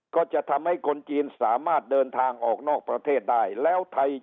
ก็จะทำให้คนจีนสามารถเดินทางออกนอกประเทศได้แล้วไทย